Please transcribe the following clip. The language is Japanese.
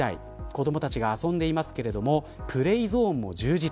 子どもたちが遊んでいますけれどもプレイゾーンも充実。